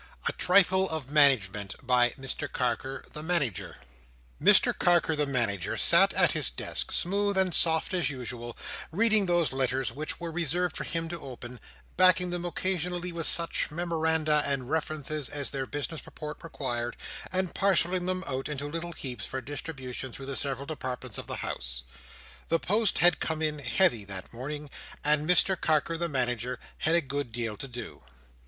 A Trifle of Management by Mr Carker the Manager Mr Carker the Manager sat at his desk, smooth and soft as usual, reading those letters which were reserved for him to open, backing them occasionally with such memoranda and references as their business purport required, and parcelling them out into little heaps for distribution through the several departments of the House. The post had come in heavy that morning, and Mr Carker the Manager had a good deal to do.